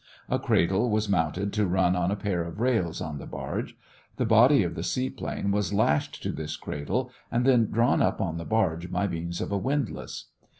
A cradle was mounted to run on a pair of rails on the barge. The body of the seaplane was lashed to this cradle and then drawn up on the barge by means of a windlass.